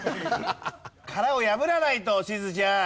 殻を破らないとしずちゃん！